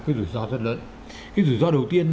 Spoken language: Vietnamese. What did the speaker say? cái rủi ro rất lớn cái rủi ro đầu tiên